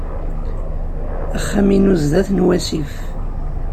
Axxam-inu sdat n wasif.